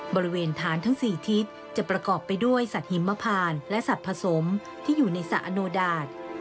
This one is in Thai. บริเวณฐานทั้ง๔ทิศจะประกอบไปด้วยสัตว์หิมพานและสัตว์ผสมที่อยู่ในสระอโนดาต